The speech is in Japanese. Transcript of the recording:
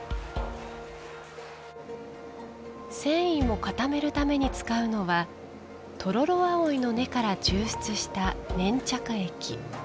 繊維を固めるために使うのはトロロアオイの根から抽出した粘着液。